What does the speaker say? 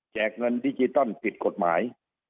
เงินดิจิตอลผิดกฎหมาย